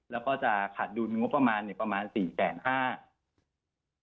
แล้วก็จะขาดดุลงบประมาณประมาณ๔๕๐๐บาท